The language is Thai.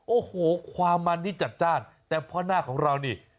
โอ้โหความมันนี่จัดจ้านแต่เพราะหน้าของเรานี่